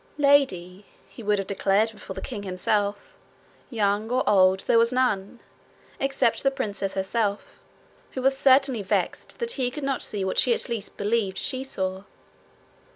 Lady, he would have declared before the king himself, young or old, there was none, except the princess herself, who was certainly vexed that he could not see what she at least believed she saw.